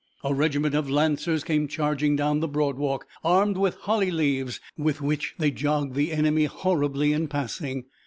A regiment of Lancers came charging down the Broad Walk, armed with holly leaves, with which they jog the enemy horribly in passing.